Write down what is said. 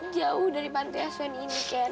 jauh dari pantai aswin ini ken